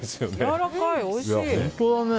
やわらかい、おいしい！